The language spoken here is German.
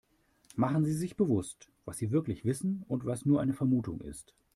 Machen Sie sich bewusst, was sie wirklich wissen und was nur eine Vermutung ist.